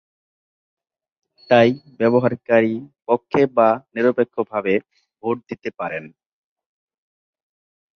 তাই ব্যবহারকারী পক্ষে বা নিরপেক্ষভাবে ভোট দিতে পারেন।